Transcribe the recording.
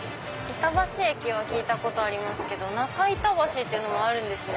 板橋駅は聞いたことありますけど中板橋っていうのもあるんですね。